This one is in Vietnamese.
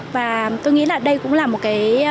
và tôi nghĩ là đây cũng là một cái